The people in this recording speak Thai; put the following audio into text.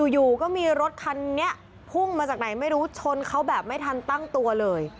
อยู่ก็มีรถคันนี้พุ่งมาจากไหนไม่รู้ชนเขาแบบไม่ทันตั้งตัวเลย